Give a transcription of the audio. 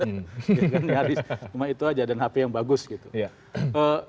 dengan nyaris cuma itu aja dan hp yang bagus gitu